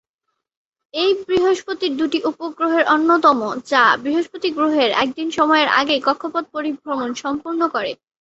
এটি বৃহস্পতির দুইটি উপগ্রহের অন্যতম, যা বৃহস্পতি গ্রহের একদিন সময়ের আগেই কক্ষপথ পরিভ্রমণ সম্পূর্ণ করে।